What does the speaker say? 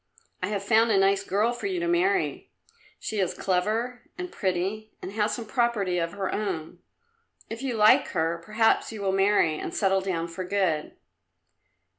I have found a nice girl for you to marry; she is clever and pretty, and has some property of her own. If you like her perhaps you will marry and settle down for good."